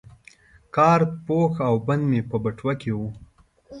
کارت پوښ او بند مې په بټوه کې وو.